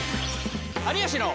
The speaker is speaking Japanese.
「有吉の」。